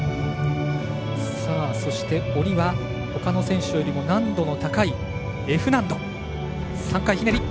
そして、下りはほかの選手よりも難度の高いＦ難度。